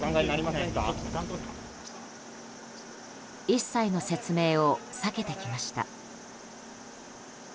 一切の説明を避けてきました。